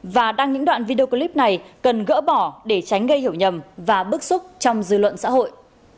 và đăng những đoạn video clip này cần gỡ bỏ để tránh gây hiểu nhầm và bức xúc trong dư luận xã hội